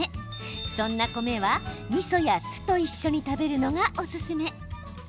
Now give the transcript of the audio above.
そんな米は、みそや酢と一緒に食べるのがおすすめ。